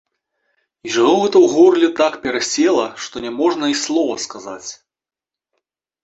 І чаго гэта ў горле так перасела, што не можна й слова сказаць?